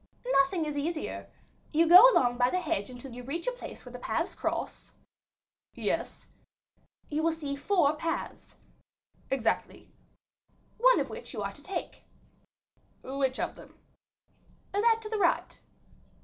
"Nothing easier. You go along by the hedge until you reach a place where the paths cross." "Yes." "You will see four paths." "Exactly." "One of which you will take." "Which of them?" "That to the right."